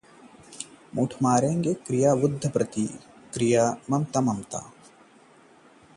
किराये में वृद्धि वापस लेनी होगी: ममता